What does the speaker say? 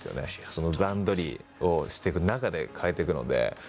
その段取りをしていく中で変えていくので。